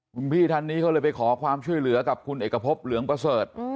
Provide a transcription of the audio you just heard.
คุณพี่ท่านนี้เขาเลยไปขอความช่วยเหลือกับคุณเอกพบเหลืองประเสริฐ